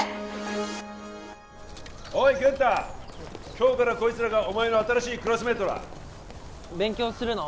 今日からこいつらがお前の新しいクラスメイトだ勉強するの？